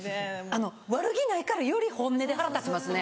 あの悪気ないからより本音で腹立ちますね。